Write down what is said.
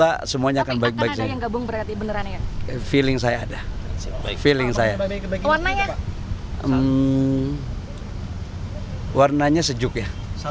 hmm warnanya sejuk ya